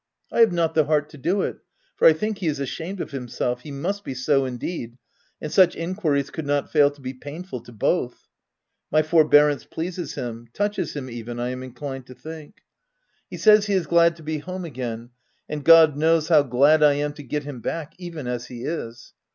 I have not the heart to do it, for I think he is ashamed of himself — he must be so indeed, — and such enquiries could not fail to be painful to both. My forbearance pleases him — touches him even, I am inclined to think. He says he OF WILDFELL HALL. 117 is glad to be home again, and God knows how glad I am to get him back, even as he is.